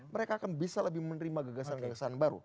mereka akan bisa lebih menerima gegasan gegasan baru